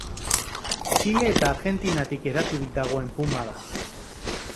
Txile eta Argentinatik hedaturik dagoen puma da.